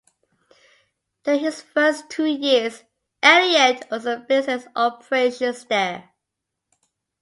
During his first two years, Elliott also based his operations there.